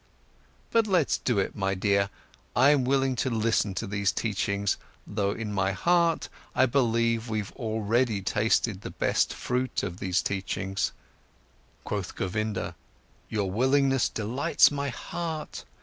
But let's do it, my dear, I am willing to listen to these teachings—though in my heart I believe that we've already tasted the best fruit of these teachings." Quoth Govinda: "Your willingness delights my heart.